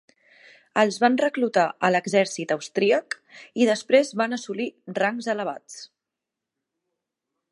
Els van reclutar a l'exèrcit austríac i després van assolir rangs elevats.